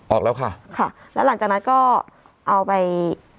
ออกแล้วค่ะค่ะแล้วหลังจากนั้นก็เอาไป